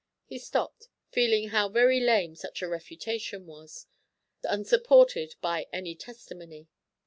He stopped, feeling how very lame such a refutation was, unsupported by any testimony.